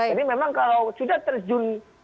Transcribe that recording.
jadi memang kalau sudah terjun